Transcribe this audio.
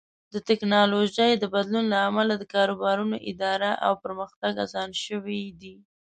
د ټکنالوژۍ د بدلون له امله د کاروبارونو اداره او پرمختګ اسان شوی دی.